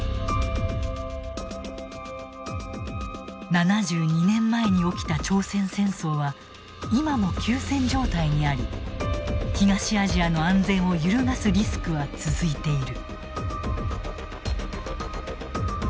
７２年前に起きた朝鮮戦争は今も休戦状態にあり東アジアの安全を揺るがすリスクは続いている。